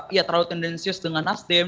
ya terlalu tendensius dengan nasdem